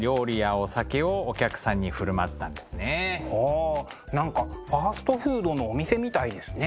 あ何かファストフードのお店みたいですね。